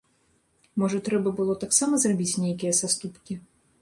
Можа трэба было таксама зрабіць нейкія саступкі?